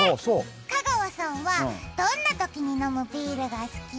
香川さんは、どんなときに飲むビールが好き？